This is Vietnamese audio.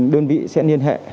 đơn vị sẽ liên hệ